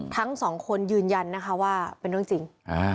ทั้งสองคนยืนยันนะคะว่าเป็นเรื่องจริง